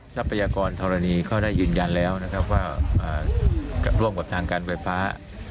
ทรัพยากรธรณีเขาได้ยืนยันแล้วนะครับว่าร่วมกับทางการไฟฟ้า